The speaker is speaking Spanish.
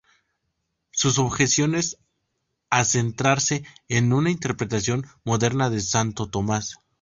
Sus objeciones a centrarse en una interpretación moderna de Santo Tomás.